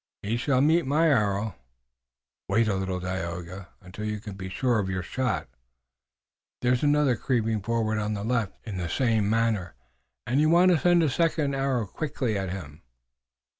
He shall meet my arrow." "Wait a little, Dagaeoga, until you can be sure of your shot. There is another creeping forward on the left in the same manner, and you'll want to send a second arrow quickly at him."